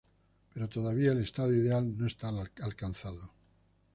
Pero todavía el estado ideal no está alcanzado.